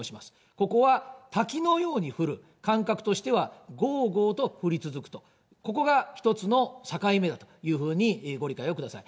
ここは滝のように降る、感覚としてはごーごーと降り続くという、１つの境目だというふうにご理解をください。